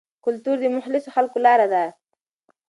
کلتور د مخلصو خلکو لاره ده.